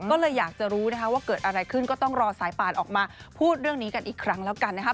ก็เลยอยากจะรู้นะคะว่าเกิดอะไรขึ้นก็ต้องรอสายป่านออกมาพูดเรื่องนี้กันอีกครั้งแล้วกันนะครับ